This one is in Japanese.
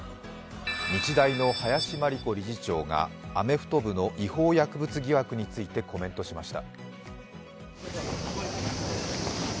日大の林真理子理事長がアメフト部の違法薬物疑惑についてコメントしました。